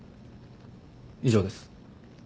以上です。